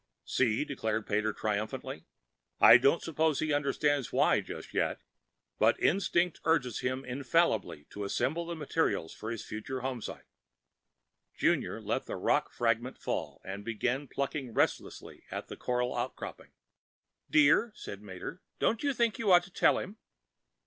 "See!" declared Pater triumphantly. "I don't suppose he understands why, just yet ... but Instinct urges him infallibly to assemble the materials for his future homesite." Junior let the rock fragment fall, and began plucking restlessly at a coral outcropping. "Dear," said Mater, "don't you think you ought to tell him...?"